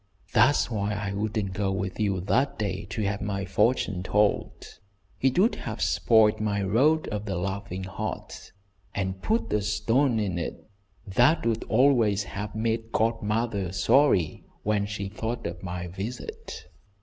That's why I wouldn't go with you that day to have my fortune told. It would have spoiled my 'Road of the Loving Heart,' and put a stone in it that would always have made godmother sorry when she thought of my visit.